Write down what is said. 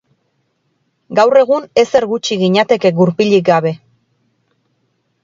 Gaur egun, ezer gutxi ginateke gurpilik gabe.